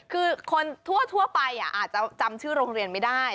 คือคนทั่วไปอาจจะจำชื่อโรงเรียนไม่ได้